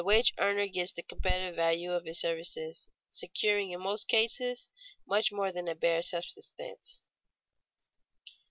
_The wage earner gets the competitive value of his services, securing in most cases much more than a bare subsistence.